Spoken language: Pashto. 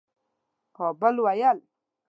ها بل ويل